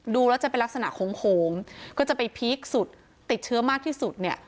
ดูแล้วจะเป็นลักษณะโขงก็จะไปพีคสุดติดเชื้อมากที่สุดเนี่ย